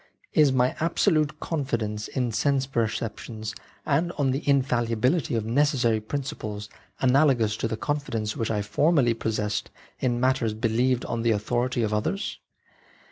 Is my absolute/ confidence in sense perceptions and on the in p^i fallibility of necessary principles analogous to the ,* confidence which I formerly possessed in matters *% believed on the authority of others